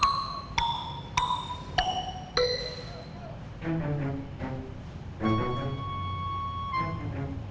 temenin aku makan siang yuk